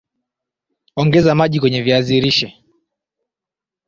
ongeza maji kwenye viazi lishe